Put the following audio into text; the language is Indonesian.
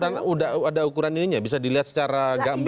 itu ada ukuran ininya bisa dilihat secara gambar